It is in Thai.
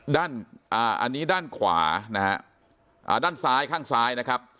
ด้านอ่าอันนี้ด้านขวานะฮะอ่าด้านซ้ายข้างซ้ายนะครับ